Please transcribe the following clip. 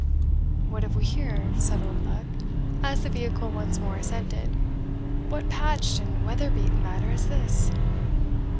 "What have we here?" said Oldbuck, as the vehicle once more ascended "what patched and weather beaten matter is this?"